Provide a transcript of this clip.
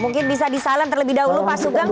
mungkin bisa disalem terlebih dahulu pak sugeng